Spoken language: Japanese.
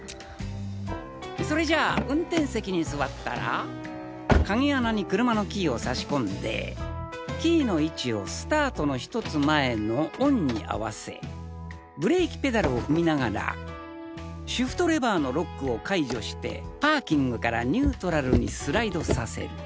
それじゃあ運転席に座ったら鍵穴に車のキーをさし込んでキーの位置を「ＳＴＡＲＴ」の１つ前の「ＯＮ」に合わせブレーキペダルを踏みながらシフトレバーのロックを解除してパーキングからニュートラルにスライドさせる。